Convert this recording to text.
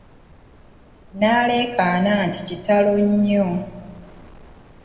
N'aleekaana nti Kitalo nnyo!